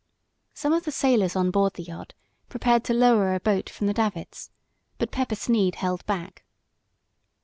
Some of the sailors on board the yacht prepared to lower a boat from the davits, but Pepper Sneed held back.